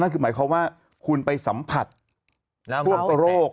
หมายความว่าคุณไปสัมผัสพวกโรค